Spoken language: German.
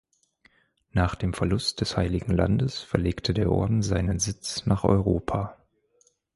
Nach dem Verlust des Heiligen Landes verlegte der Orden seinen Sitz nach Europa.